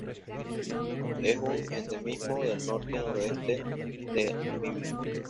Es un endemismo del norte y noroeste de Namibia.